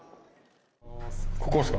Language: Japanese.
ここですか？